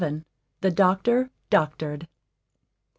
THE DOCTOR DOCTORED.